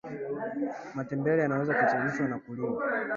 matembele yanaweza kuchemsha na kuliwa